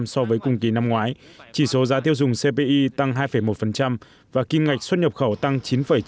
sáu bảy so với cùng kỳ năm ngoái chỉ số giá tiêu dùng cpi tăng hai một và kinh ngạch xuất nhập khẩu tăng